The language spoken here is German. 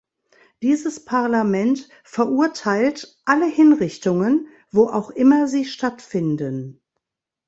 Dieses Parlament verurteilt alle Hinrichtungen, wo auch immer sie stattfinden.